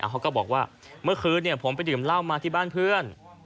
เขาก็บอกว่าเมื่อคืนผมไปดื่มเหล้ามาที่บ้านเพื่อน